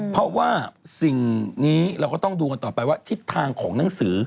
เพราะว่าสิ่งนี้เราก็ต้องดูกันต่อไปว่าทิศทางของหนังสือ